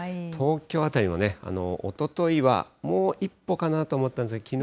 東京辺りはね、おとといはもう一歩かなと思ったんですが、